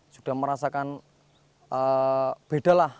sudah merasakan beda lah